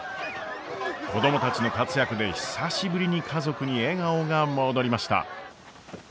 子供たちの活躍で久しぶりに家族に笑顔が戻りました。